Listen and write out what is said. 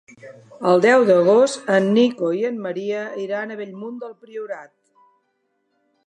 El deu d'agost en Nico i en Maria iran a Bellmunt del Priorat.